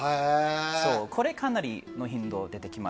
これはかなりの頻度で出てきます